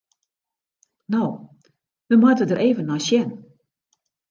No, we moatte der even nei sjen.